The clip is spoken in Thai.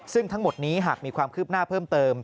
ซึ่งทั้งหมดนี้หากมีความคืบหน้าเพิ่มเติม